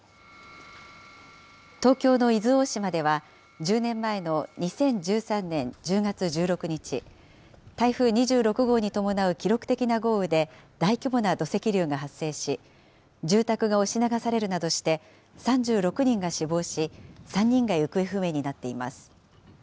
東京の伊豆大島では、１０年前の２０１３年１０月１６日、台風２６号に伴う記録的な豪雨で大規模な土石流が発生し、住宅が押し流されるなどして、３６人が死亡し、３人が行方不明になっています。